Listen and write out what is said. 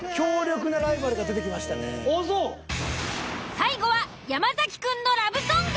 最後は山崎くんのラブソング。